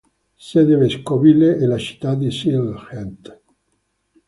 Sede vescovile è la città di Sylhet.